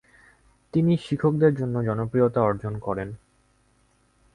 তিনি শিক্ষকদের মধ্যে জনপ্রিয়তা অর্জন করেন।